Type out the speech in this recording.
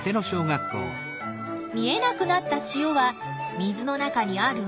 見えなくなった塩は水の中にある？